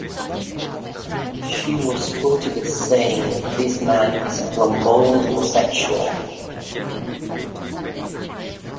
She was quoted as saying, This man is a flamboyant homosexual.